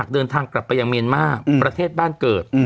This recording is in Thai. เดินทางกลับไปยังเมียนมาร์ประเทศบ้านเกิด